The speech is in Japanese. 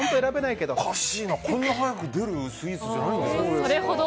こんなに早く出るスイーツじゃないんですけど。